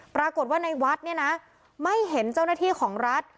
ปรากฏว่าในวัดเนี่ยนะไม่เห็นเจ้าหน้าที่ของรัฐ